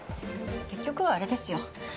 結局はあれですよ。